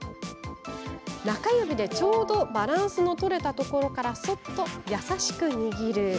中指で、ちょうどバランスの取れたところからそっと優しく握る。